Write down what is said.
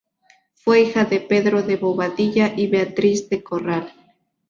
Fue hija de Pedro de Bobadilla y Beatriz de Corral.